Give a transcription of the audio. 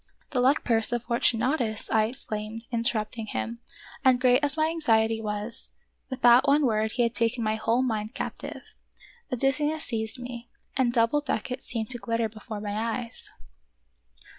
"" The Luck purse of Fortunatus !" I exclaimed, interrupting him ; and great as my anxiety was, with that one word he had taken my whole mind captive. A dizziness seized me, and double ducats seemed to glitter before my eyes.